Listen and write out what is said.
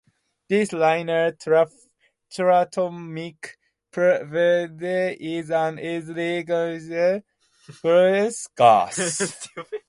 This linear, triatomic pseudohalogen is an easily condensed colorless gas.